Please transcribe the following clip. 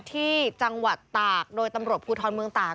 ที่จังหวัดตากโดยตำรวจภูทรเมืองตาก